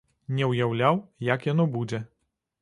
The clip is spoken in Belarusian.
Не ўяўляў, як яно будзе.